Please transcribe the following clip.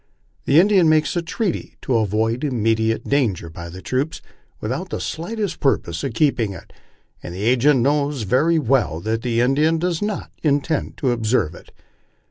The Indian makes a treaty to avoid immediate danger by the troops, without the slightest purpose of keeping it, and the agent knows very well that the Indian does not intend to observe it.